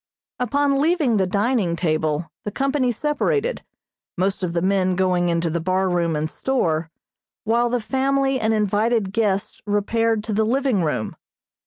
Upon leaving the dining table, the company separated, most of the men going into the bar room and store, while the family and invited guests repaired to the living room.